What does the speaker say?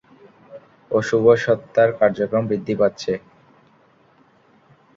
অশুভ স্বত্বার কার্যক্রম বৃদ্ধি পাচ্ছে।